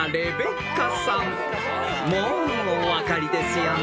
［もうお分かりですよね］